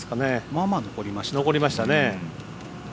まあまあ残りましたね。